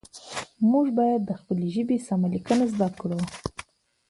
موږ باید د خپلې ژبې سمه لیکنه زده کړو